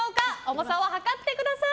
重さを量ってください。